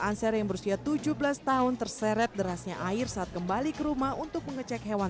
anser yang berusia tujuh belas tahun terseret derasnya air saat kembali ke rumah untuk mengecek hewan